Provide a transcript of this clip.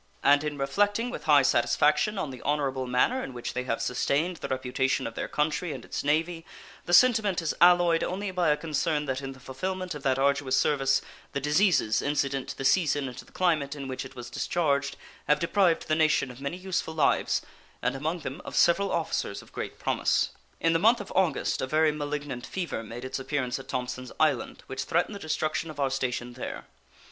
And in reflecting with high satisfaction on the honorable manner in which they have sustained the reputation of their country and its Navy, the sentiment is alloyed only by a concern that in the fulfillment of that arduous service the diseases incident to the season and to the climate in which it was discharged have deprived the nation of many useful lives, and among them of several officers of great promise. In the month of August a very malignant fever made its appearance at Thompsons Island, which threatened the destruction of our station there.